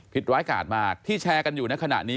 ร้ายกาดมากที่แชร์กันอยู่ในขณะนี้